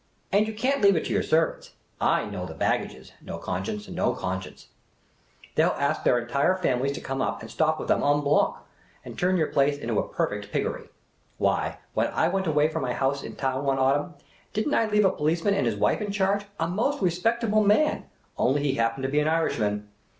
And you can't leave it to your servants ;/ know the baggages ; no conscience — no conscience ; they '11 ask their entire families to come up and stop with them en bloc, and turn your place into a perfect piggery. Why, when I went away from my house in town one autumn, did n't I leave a policeman and his wife in charge — a most respectable man — only he happened to be an Irishman